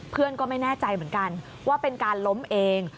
เพื่อนก็ไม่แน่ใจเหมือนกันว่าเป็นการล้มเอง